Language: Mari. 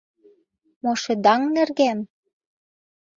— Мо шыдаҥ нерген?